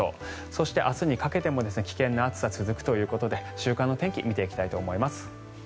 そして、明日にかけても危険な暑さは続くということで週間の天気見ていきたいと思います。